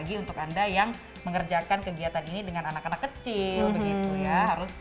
lagi untuk anda yang mengerjakan kegiatan ini dengan anak anak kecil begitu ya harus